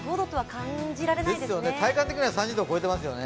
体感的には３０度を超えてますよね。